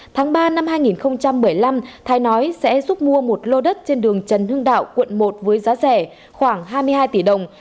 tháng ba năm hai nghìn một mươi năm thái nói sẽ giúp mua một lô đất trên đường trần hưng đạo quận một với giá rẻ khoảng hai mươi hai tỷ đồng